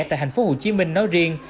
tại thành phố hồ chí minh nói riêng